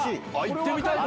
行ってみたい！